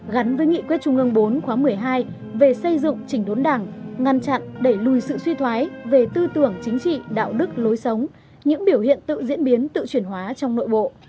gắn với nghị quyết trung ương bốn khóa một mươi hai về xây dựng chỉnh đốn đảng ngăn chặn đẩy lùi sự suy thoái về tư tưởng chính trị đạo đức lối sống những biểu hiện tự diễn biến tự chuyển hóa trong nội bộ